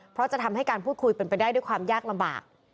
เพราะจะทำให้การพูดคุยเป็นไปได้ด้วยความยากลำบาก